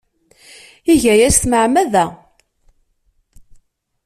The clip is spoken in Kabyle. Iga aya s tmeɛmada.